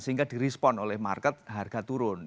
sehingga di respon oleh market harga turun